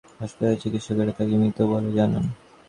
হাসপাতালের চিকিৎসকেরা তাঁকে মৃত বলে জানান।